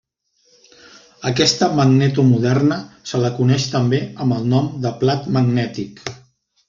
Aquesta magneto moderna se la coneix també amb el nom de Plat Magnètic.